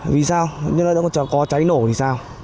vì sao nếu nó có cháy nổ thì sao